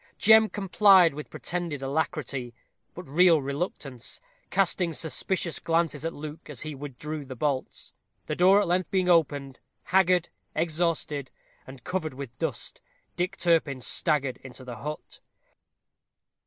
Jem complied with pretended alacrity, but real reluctance, casting suspicious glances at Luke as he withdrew the bolts. The door at length being opened, haggard, exhausted, and covered with dust, Dick Turpin staggered into the hut.